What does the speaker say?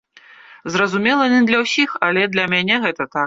Зразумела, не для ўсіх, але для мяне гэта так.